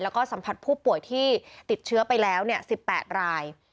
แล้วก็สัมผัสผู้ป่วยที่ติดเชื้อไปแล้ว๑๘ราย